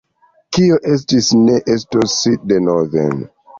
Kio estis ne estos denove.